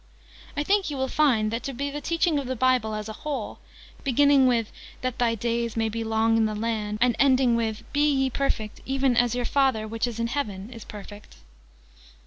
I think you will find that to be the teaching of the Bible, as a whole, beginning with 'that thy days may be long in the land,' and ending with 'be ye perfect, even as your Father which is in heaven is perfect.'"